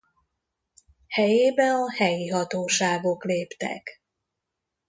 Helyébe a helyi hatóságok léptek.